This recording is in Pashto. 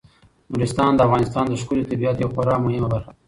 نورستان د افغانستان د ښکلي طبیعت یوه خورا مهمه برخه ده.